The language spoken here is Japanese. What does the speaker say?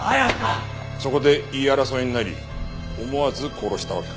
そこで言い争いになり思わず殺したわけか。